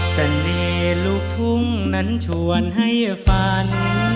เสน่ห์ลูกทุ่งนั้นชวนให้ฝัน